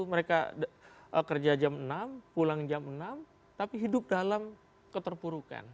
mereka kerja jam enam pulang jam enam tapi hidup dalam keterpurukan